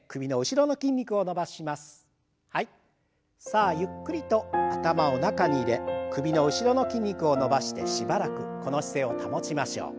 さあゆっくりと頭を中に入れ首の後ろの筋肉を伸ばしてしばらくこの姿勢を保ちましょう。